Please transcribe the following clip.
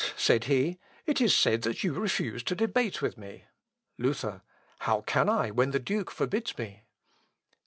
said he, "it is said that you refuse to debate with me." Luther. "How can I when the duke forbids me?"